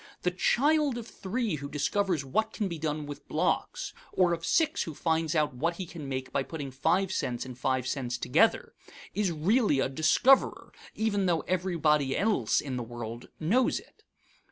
The child of three who discovers what can be done with blocks, or of six who finds out what he can make by putting five cents and five cents together, is really a discoverer, even though everybody else in the world knows it.